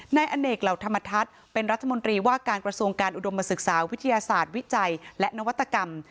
นายอเนกเหล่าธรรมทัศน์เป็นรัฐมนตรีว่าการกระทรวงการอุดมศึกษาวิทยาศาสตร์วิจัยและนวัตกรรม